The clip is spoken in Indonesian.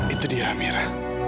itu dia amira